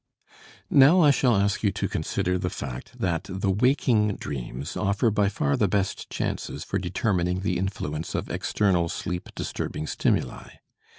Now I shall ask you to consider the fact that the waking dreams offer by far the best chances for determining the influence of external sleep disturbing stimuli.